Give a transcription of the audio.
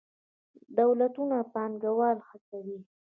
دولتونه پانګوال هڅوي.